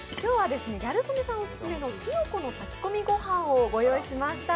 ギャル曽根さんおすすめのきのこの炊き込みご飯をご用意しました。